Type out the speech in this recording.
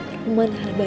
aku juga sayang kamu